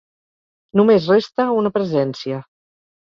Només resta una presència.